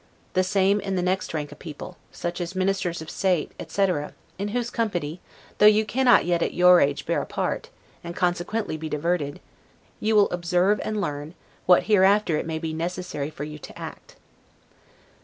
The same in the next rank of people, such as ministers of state, etc., in whose company, though you cannot yet, at your age, bear a part, and consequently be diverted, you will observe and learn, what hereafter it may be necessary for you to act.